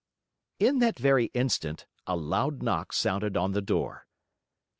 In that very instant, a loud knock sounded on the door.